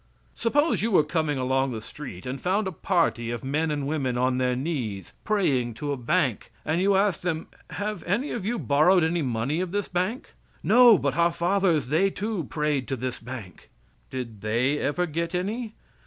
Suppose you were coming along the street, and found a party of men and women on their knees praying to a bank, and you asked them, "Have any of you borrowed any money of this bank?" "No, but our fathers, they, too, prayed to this bank." "Did they ever get any?"